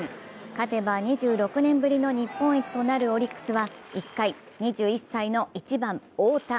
勝てば２６年ぶりの日本一となるオリックスは１回、２１歳、１番・太田。